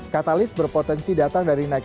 katalis berpotensi datang dari naik